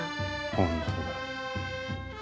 本当だ。